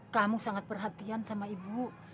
kamu sangat perhatian sama ibu